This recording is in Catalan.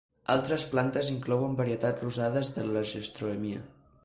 Altres plantes inclouen varietats rosades de Lagerstroemia.